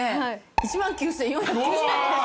１万９，４９０円です。